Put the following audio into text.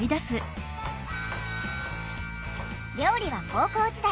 料理は高校時代